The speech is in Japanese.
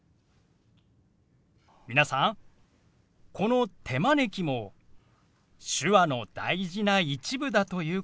皆さんこの「手招き」も手話の大事な一部だということ